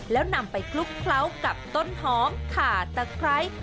แล้วนำไปคลุกเคล้ากับต้นหอมขาตะไคร้